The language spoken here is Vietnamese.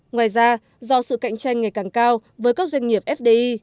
ngoài ra do sự cạnh tranh ngày càng cao với các doanh nghiệp fdi